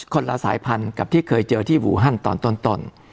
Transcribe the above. ละสายพันธุ์กับที่เคยเจอที่อูฮันตอนต้น